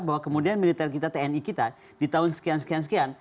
bahwa kemudian militer kita tni kita di tahun sekian sekian sekian